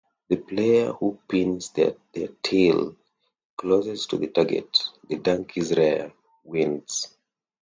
The player who pins their tail closest to the target, the donkey's rear, wins.